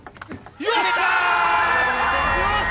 よし！